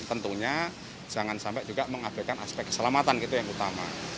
tentunya jangan sampai juga mengabaikan aspek keselamatan gitu yang utama